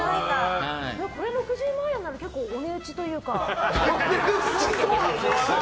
これ６０万円なら結構お値打ちというか。